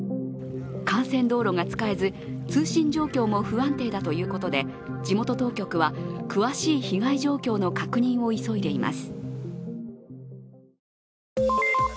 幹線道路が使えず、通信状況も不安定だということで地元当局は、詳しい被害状況の確認を急いでいます。